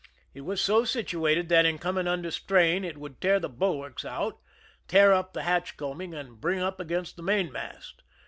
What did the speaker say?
It was so situated that in coming under strain it would tear the bulwarks out, tear up the hatch coaming, and bring up against the mainmast.